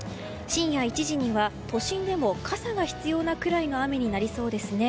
深夜１時では都心でも傘が必要なくらいの雨になりそうです。